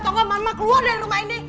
tonga mama keluar dari rumah ini